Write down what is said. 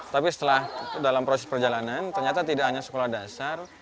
tapi setelah dalam proses perjalanan ternyata tidak hanya sekolah dasar